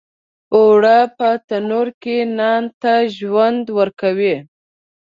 اوړه په تنور کې نان ته ژوند ورکوي